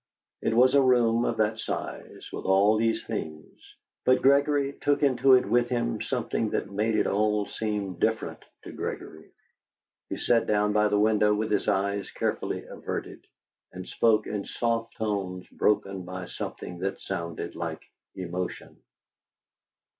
It was a room of that size, with all these things, but Gregory took into it with him some thing that made it all seem different to Gregory. He sat down by the window with his eyes carefully averted, and spoke in soft tones broken by something that sounded like emotion.